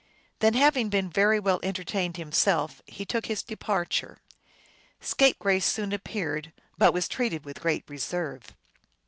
Then having been very well entertained himself, he took his departure. Scapegrace soon appeared, but was treated with great reserve.